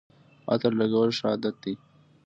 عطر لګول ښه عادت دی